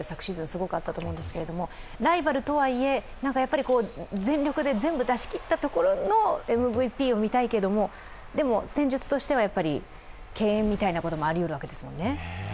すごくあったと思うんですけれども、ライバルとはいえ全力で全部出し切ったところのＭＶＰを見たいけどでも、戦術としては敬遠みたいなこともありうるわけですもんね。